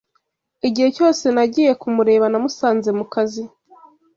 Igihe cyose nagiye kumureba, namusanze ku kazi